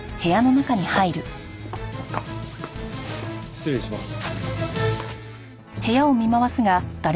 失礼します。